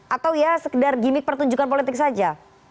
atau ya sekedar gimmick pertunjukan politik saja